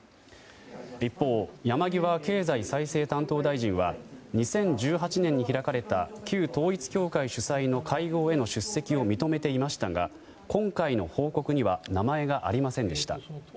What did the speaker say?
一方、山際経済再生担当大臣は２０１８年に開かれた旧統一教会主催の会合への出席を認めていましたが今回の報告には名前がありませんでした。